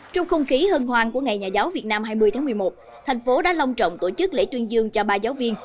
trong không khí hân hoàng của ngày nhà giáo việt nam hai mươi tháng một mươi một thành phố đã long trọng tổ chức lễ tuyên dương cho ba giáo viên